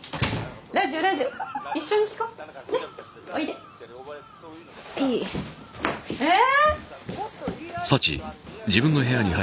ラジオラジオ一緒に聴こうねっおいでいいええー？